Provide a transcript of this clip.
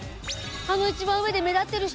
あの一番上で目立ってる人？